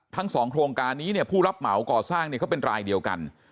๒โครงการนี้เนี่ยผู้รับเหมาก่อสร้างเนี่ยเขาเป็นรายเดียวกัน